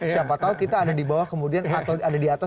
siapa tahu kita ada di bawah kemudian atau ada di atas